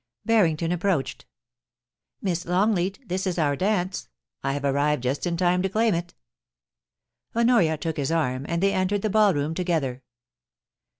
Barrington approached. * Miss Longleat, this is our dance. I have arrived just in time to claim it' Honoria took his arm, and they entered the ball room together.